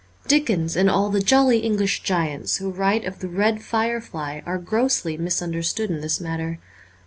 Dickens and all the jolly English giants who write of the red firelight are grossly mis understood in this matter.